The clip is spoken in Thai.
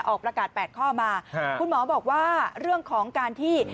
ออกประกาศ๘ข้อมาคุณหมอบอกว่าเรื่องของการที่